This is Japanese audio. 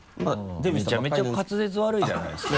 めちゃめちゃ滑舌悪いじゃないですか。